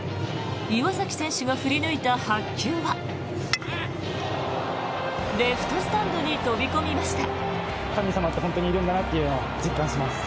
岩崎選手が振り抜いた白球はレフトスタンドに飛び込みました。